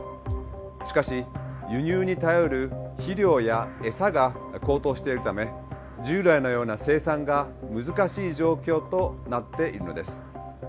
しかし輸入に頼る肥料やエサが高騰しているため従来のような生産が難しい状況となっているのです。